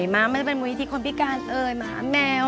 ไม่ใช่เป็นบุญวิธีคนพิการเหมือนแมว